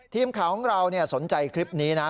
ทีมข่าวของเราสนใจคลิปนี้นะ